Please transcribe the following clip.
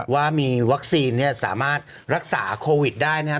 ว่ามีวัคซีนเนี่ยสามารถรักษาโควิดได้นะครับ